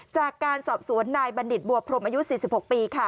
จากการสอบสวนนายบัณฑิตบัวพรมอายุ๔๖ปีค่ะ